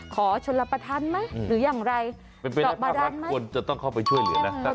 ขอชนรับประทานไหมหรืออย่างไรเป็นไปได้ว่ารัฐควรจะต้องเข้าไปช่วยเหลือนะ